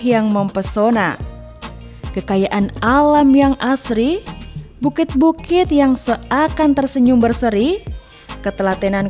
yang mempesona kekayaan alam yang asri bukit bukit yang seakan tersenyum berseri ketelatenan